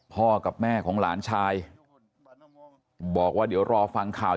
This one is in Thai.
พ่อกับแม่ของหลานชายบอกว่าเดี๋ยวรอฟังข่าว